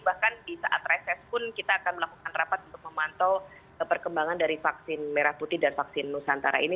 bahkan di saat reses pun kita akan melakukan rapat untuk memantau perkembangan dari vaksin merah putih dan vaksin nusantara ini